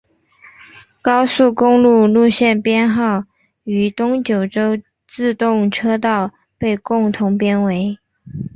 高速公路路线编号与东九州自动车道被共同编为。